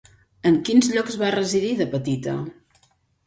En quins llocs va residir de petita?